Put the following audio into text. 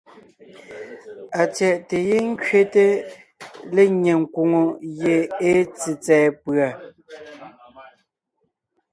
Atsyɛ̀ʼte giŋ kẅete lenyɛ nkwòŋo gie èe tsètsɛ̀ɛ pʉ̀a.